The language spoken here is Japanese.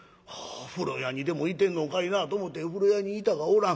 風呂屋にでもいてんのかいなと思て風呂屋に行たがおらん。